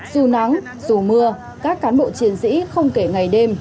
dù nắng dù mưa các cán bộ chiến sĩ không kể ngày đêm